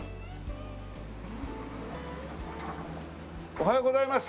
おはようございます。